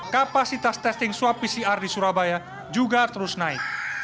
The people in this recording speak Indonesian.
kapasitas testing swab pcr di surabaya juga terus naik